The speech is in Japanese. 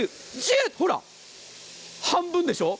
ほら、半分でしょ。